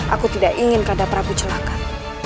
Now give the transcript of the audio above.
aku tidak ingin kanda prabu celahkan